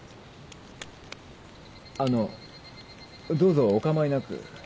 あのうどうぞお構いなく。